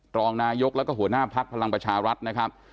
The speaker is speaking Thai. รองนายกแล้วก็หัวหน้าพักพลังประชารัฐนะครับ